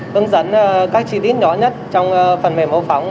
hướng dẫn các chi tiết nhỏ nhất trong phần mềm mô phỏng